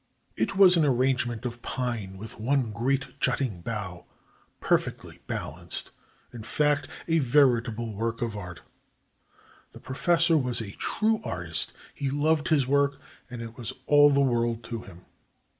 It was an arrangement of pine with one great jutting bough, perfectly balanced — in fact, a veritable work of art. The professor was a true artist; he loved his work, and it was all the world to him.